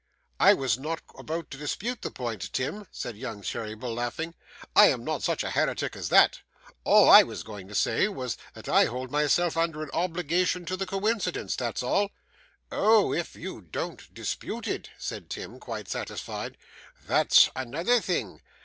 'I was not about to dispute the point, Tim,' said young Cheeryble, laughing. 'I am not such a heretic as that. All I was going to say was, that I hold myself under an obligation to the coincidence, that's all.' 'Oh! if you don't dispute it,' said Tim, quite satisfied, 'that's another thing.